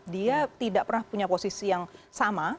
dia tidak pernah punya posisi yang sama